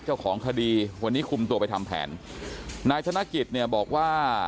เจ้าของคดีวันนี้คุมตัวไปทำแผนนายธนกิจเนี่ยบอกว่า